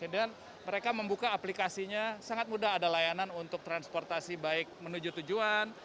dan mereka membuka aplikasinya sangat mudah ada layanan untuk transportasi baik menuju tujuan